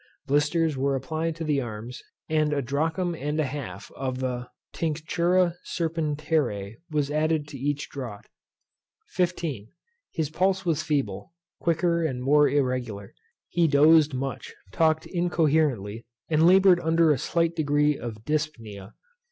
Blisters were applied to the arms; and a drachm and a half of the Tinctura Serpentariæ was added to each draught. 15. His pulse was feeble, quicker and more irregular. He dosed much; talked incoherently; and laboured under a slight degree of Dyspnæa.